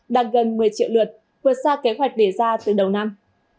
đạt gần một mươi triệu lượt vượt xa kế hoạch đề ra từ đầu năm